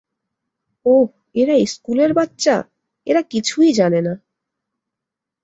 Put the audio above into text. ওহ, এরা স্কুলের বাচ্চা, এরা কিছুই জানে না।